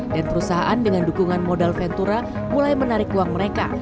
dan perusahaan dengan dukungan modal ventura mulai menarik uang mereka